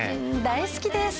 大好きです。